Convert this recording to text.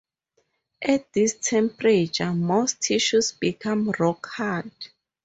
At this temperature, most tissues become rock-hard.